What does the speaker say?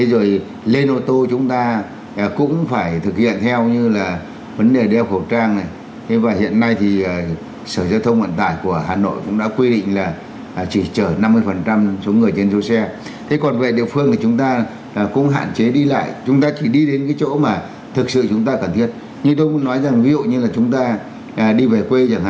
bởi phương tiện cá nhân của mình thì chúng ta không tiếp xúc với những người lạ những người có nguy cơ mang mong bệnh chẳng hạn